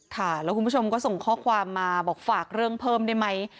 ค่ะแล้วคุณผู้ชมก็ส่งข้อความมาบอกฝากเรื่องเพิ่มได้ไหม